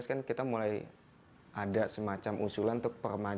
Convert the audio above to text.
nah akhirnya bisa mulai lari dan kita bisa mencoba untuk mencoba